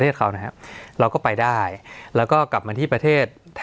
สวัสดีครับทุกผู้ชม